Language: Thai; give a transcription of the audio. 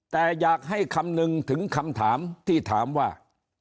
แต่อยากให้คำนึงถึงคำถามที่ถามว่า